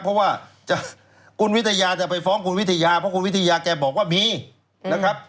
เพราะว่าคุณวิทยาจะไปฟ้องคุณวิทยาเพราะคุณวิทยาแกบอกว่ามีนะครับ